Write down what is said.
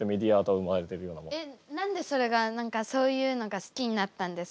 何でそれがそういうのが好きになったんですか？